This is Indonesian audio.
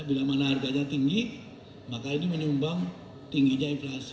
bila mana harganya tinggi maka ini menyumbang tingginya inflasi